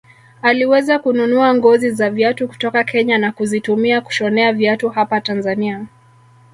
Aliweza kununua ngozi za viatu kutoka Kenya na kuzitumia kushonea viatu hapa Tanzania